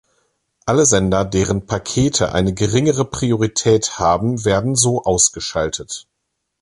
Alle Sender, deren Pakete eine geringere Priorität haben, werden so ausgeschaltet.